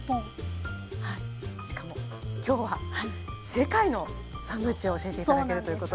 世界のサンドイッチを教えて頂けるということで。